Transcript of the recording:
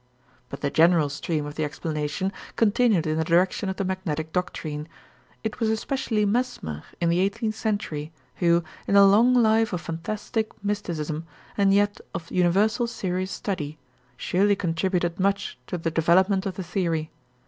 But the general stream of the explanation continued in the direction of the magnetic doctrine. It was especially Mesmer in the eighteenth century who, in a long life of fantastic mysticism and yet of universal serious study, surely contributed much to the development of the theory.